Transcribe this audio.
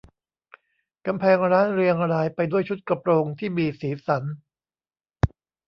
กำแพงร้านเรียงรายไปด้วยชุดกระโปรงที่มีสีสัน